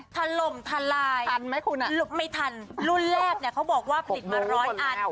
ถล่มทลายทันไหมคุณหลบไม่ทันรุ่นแรกเนี่ยเขาบอกว่าผลิตมาร้อยอัน